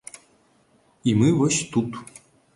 І мы вось тут.